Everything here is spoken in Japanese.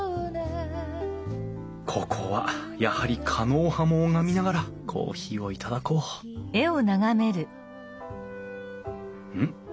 ここはやはり狩野派も拝みながらコーヒーを頂こううん？